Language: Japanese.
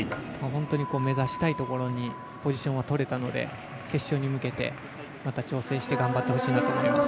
目指したいところにポジションを取れたので決勝に向けてまた調整して頑張ってほしいなと思います。